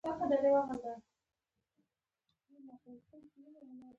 رسۍ باید سمه کارول شي.